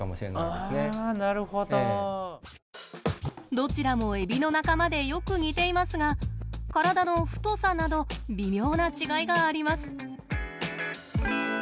どちらもエビの仲間でよく似ていますが体の太さなど微妙な違いがあります。